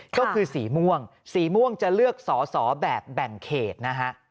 ก็คือสีม่วงสีม่วงจะเลือกสอสอแบบแบ่งเขตนะฮะ